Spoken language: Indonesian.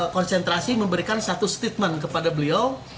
konsentrasi memberikan satu statement kepada beliau